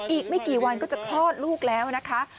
อีกไม่กี่วันก็จะคลอดลูกแล้วนะคะ